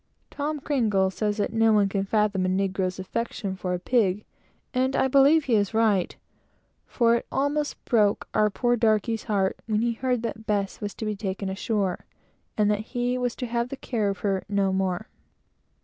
Tom Cringle says that no one can fathom a negro's affection for a pig; and I believe he is right, for it almost broke our poor darky's heart when he heard that Bess was to be taken ashore, and that he was to have the care of her no more during the whole voyage.